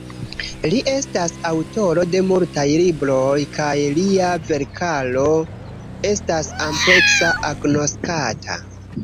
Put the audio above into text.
Li estas aŭtoro de multaj libroj, kaj lia verkaro estas ampleksa agnoskata.